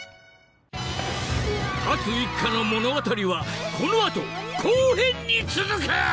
龍一家の物語はこの後後編に続く！